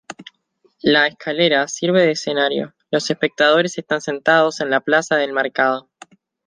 La escalera sirve de escenario, los espectadores están sentados en la plaza del mercado.